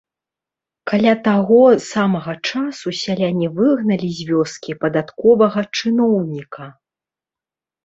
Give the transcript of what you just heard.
Каля таго самага часу сяляне выгналі з вёскі падатковага чыноўніка.